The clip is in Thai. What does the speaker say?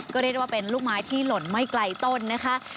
ก็เรียกได้ว่าเป็นลูกไม้ที่หล่นไม่ไกลต้นนะคะ